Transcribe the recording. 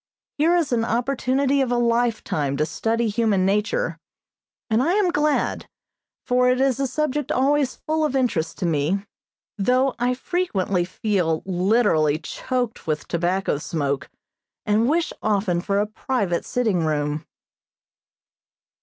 Here is an opportunity of a lifetime to study human nature, and I am glad, for it is a subject always full of interest to me, though I frequently feel literally choked with tobacco smoke, and wish often for a private sitting room.